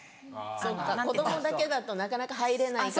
子供だけだとなかなか入れないから。